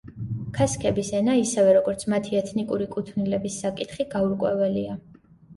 ქასქების ენა ისევე როგორც მათი ეთნიკური კუთვნილების საკითხი, გაურკვეველია.